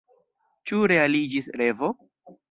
Ĉu realiĝis revo?